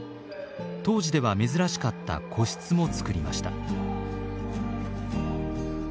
当時では珍しかった個室も作りました。